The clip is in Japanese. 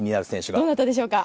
どなたでしょうか。